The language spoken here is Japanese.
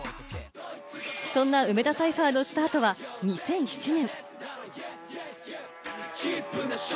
そんな梅田サイファーのスタートは２００７年。